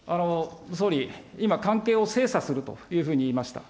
総理、今、関係を精査するというふうに言いました。